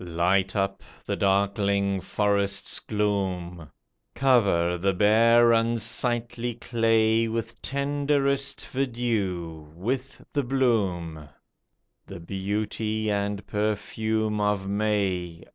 Light up the darkling forest's gloom ; Cover the bare, unsightly clay With tenderest verdure, with the bloom. The beauty and perfume of May